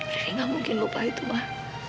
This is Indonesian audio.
riri gak mungkin lupa itu mak